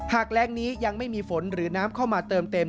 แรงนี้ยังไม่มีฝนหรือน้ำเข้ามาเติมเต็ม